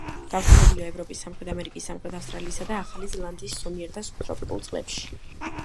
გავრცელებულია ევროპის, სამხრეთ ამერიკის, სამხრეთ ავსტრალიისა და ახალი ზელანდიის ზომიერ და სუბტროპიკულ წყლებში.